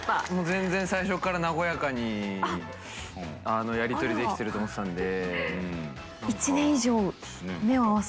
全然最初から和やかにやりとりできてると思ってたんで。